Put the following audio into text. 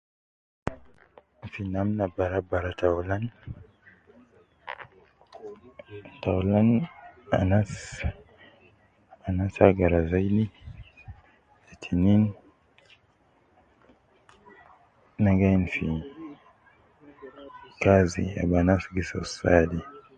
Fi namna bara bara taulan, taulan anas, anas agara zaidi, te tinin, na gi ain fi kazi al anas gi soo saade